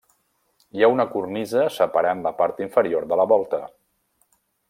Hi ha una cornisa separant la part inferior de la volta.